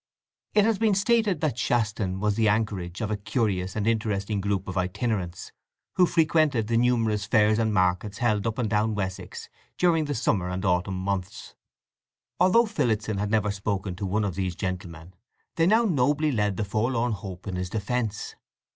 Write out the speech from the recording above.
It has been stated that Shaston was the anchorage of a curious and interesting group of itinerants, who frequented the numerous fairs and markets held up and down Wessex during the summer and autumn months. Although Phillotson had never spoken to one of these gentlemen they now nobly led the forlorn hope in his defence.